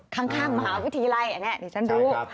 ข้างมหาวิทยาลัยนี่ฉันดู